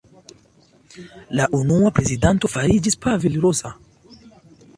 La unua prezidanto fariĝis Pavel Rosa.